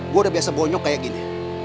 gue udah biasa bonyok kayak gini